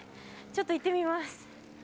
ちょっと行ってみます。